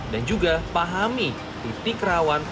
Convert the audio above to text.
dan juga pahami titik rawan